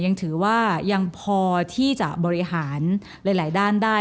ยังถือว่ายังพอที่จะบริหารหลายด้านได้